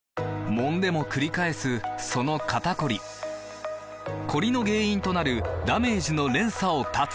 もんでもくり返すその肩こりコリの原因となるダメージの連鎖を断つ！